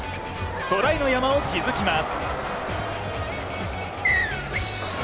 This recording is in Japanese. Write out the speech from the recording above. トライの山を築きます。